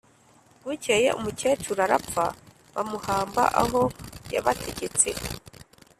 Bukeye umukecuru arapfa, bamuhamba aho yabategetse